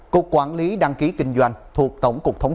cục quản lý đăng ký kinh doanh thuộc tổng cục thống